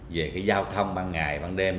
về cái giao thông ban ngày ban đêm